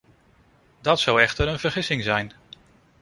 Dat zou echter een vergissing zijn.